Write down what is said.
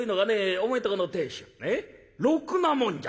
お前んとこの亭主ろくなもんじゃないよ。